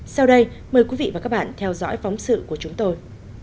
sau đây mời quý vị và các bạn theo dõi phóng sự của chúng tôi